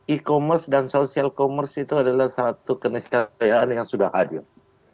e commerce dan social commerce itu adalah satu keniscayaan yang sudah hadir